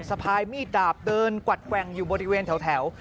สะพายมีดดาบเดินกวัดแกว่งอยู่บริเวณแถว